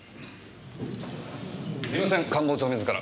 すいません官房長自ら。